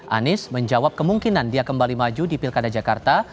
anies menjawab kemungkinan dia kembali maju di pilkada jakarta